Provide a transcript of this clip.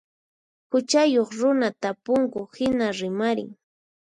Huchayuq runa tapunku hina rimarin.